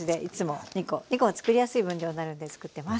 ２コはつくりやすい分量になるんでつくってます。